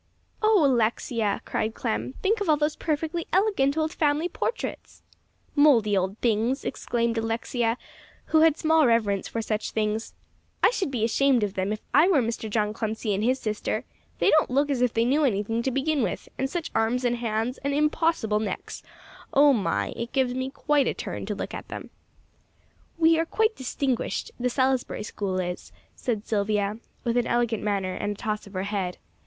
"Oh, Alexia," cried Clem, "think of all those perfectly elegant old family portraits!" "Mouldy old things!" exclaimed Alexia, who had small reverence for such things. "I should be ashamed of them, if I were Mr. John Clemcy and his sister. They don't look as if they knew anything to begin with; and such arms and hands, and impossible necks! Oh my! It quite gives me a turn to look at them." "We are quite distinguished the Salisbury School is," said Silvia, with an elegant manner, and a toss of her head.